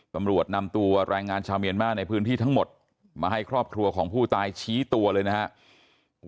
ตำรวจนำตัวแรงงานชาวเมียนมาในพื้นที่ทั้งหมดมาให้ครอบครัวของผู้ตายชี้ตัวเลยนะครับ